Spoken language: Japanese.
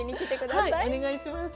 はいお願いします。